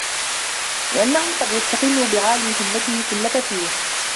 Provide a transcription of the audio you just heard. لِأَنَّهُ قَدْ يَسْتَقِلُّ بِعَالِي هِمَّتِهِ كُلَّ كَثِيرٍ